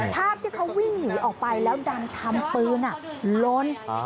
ภาพที่เขาวิ่งหนีออกไปแล้วดันทำปืนล้น